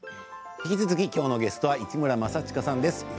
引き続き今日のゲストは市村正親さんです。